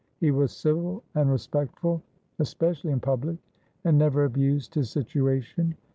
He was civil and respectful, especially in public, and never abused his situation.